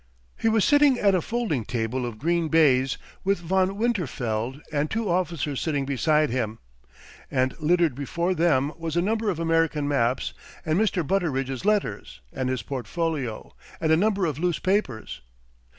He was sitting at a folding table of green baize, with Von Winterfeld and two officers sitting beside him, and littered before them was a number of American maps and Mr. Butteridge's letters and his portfolio and a number of loose papers.